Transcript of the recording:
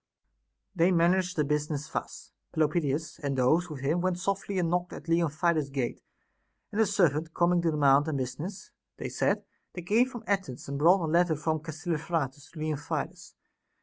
32. They managed their business thus : Pelopidas and those with him went softly and knocked at Leontidas's gate ; and a servant coming to demand their business, they said, they came from Athens, and brought a letter from Callis tratus to Leontidas.